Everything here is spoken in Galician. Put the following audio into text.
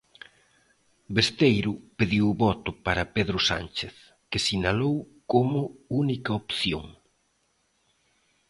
Besteiro pediu o voto para Pedro Sánchez, que sinalou como "única opción".